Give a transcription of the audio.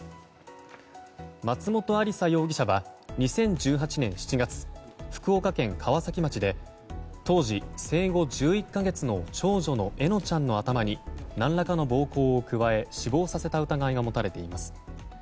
松本亜里沙容疑者は２０１８年７月福岡県川崎町で当時、生後１１か月の長女の笑乃ちゃんの頭に何らかの暴行を加え死亡させた疑いが持たれています。